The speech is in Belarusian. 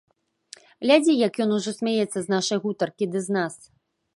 Глядзі, як ён ужо смяецца з нашай гутаркі ды з нас.